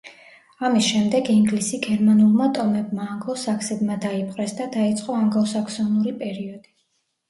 ამის შემდეგ ინგლისი გერმანულმა ტომებმა, ანგლო-საქსებმა დაიპყრეს და დაიწყო ანგლო-საქსონური პერიოდი.